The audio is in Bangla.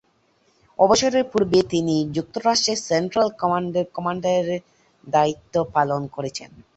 অবসরের পূর্বে তিনি যুক্তরাষ্ট্রের সেন্ট্রাল কমান্ডের কমান্ডারের দায়িত্ব পালন করেছেন।